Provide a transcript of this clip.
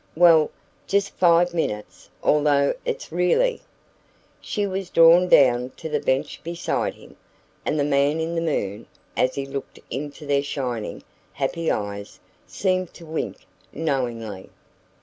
"Well, just five minutes although it's really " She was drawn down to the bench beside him, and the man in the moon, as he looked into their shining, happy eyes, seemed to wink knowingly.